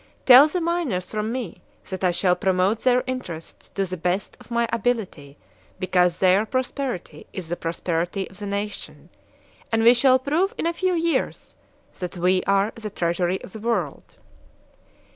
Tell the miners from me that I shall promote their interests to the best of my ability because their prosperity is the prosperity of the nation; and we shall prove in a few years that we are the treasury of the world."